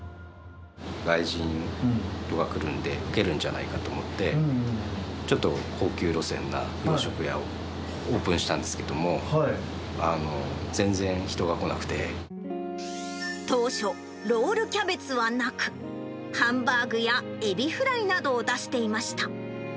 外人が来るんで、受けるんじゃないかと思って、ちょっと高級路線な洋食屋をオープンしたんですけども、全然人が当初、ロールキャベツはなく、ハンバーグやエビフライなどを出していました。